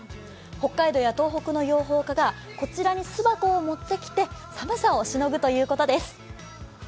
北海道や東北の養蜂家がこちらに巣箱を持ってきて寒さをしのぐということです。